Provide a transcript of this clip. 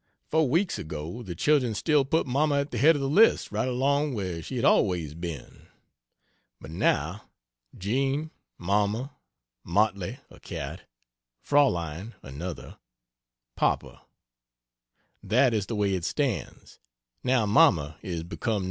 Four weeks ago the children still put Mamma at the head of the list right along, where she had always been. But now: Jean Mamma Motley [a cat] Fraulein [another] Papa That is the way it stands, now Mamma is become No.